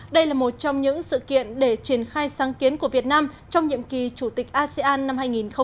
đây là một trong những sự kiện để triển khai sáng kiến của việt nam trong nhiệm kỳ chủ tịch asean năm hai nghìn hai mươi